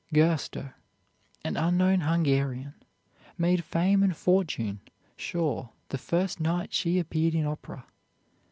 Gerster, an unknown Hungarian, made fame and fortune sure the first night she appeared in opera.